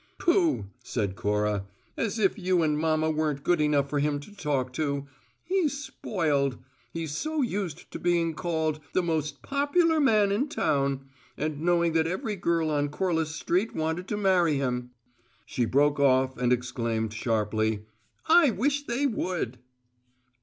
"Pooh!" said Cora. "As if you and mamma weren't good enough for him to talk to! He's spoiled. He's so used to being called `the most popular man in town' and knowing that every girl on Corliss Street wanted to marry him " She broke off, and exclaimed sharply: "I wish they would!"